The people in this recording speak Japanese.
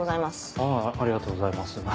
ありがとうございます。